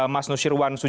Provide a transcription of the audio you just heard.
mas nusirwan sujudi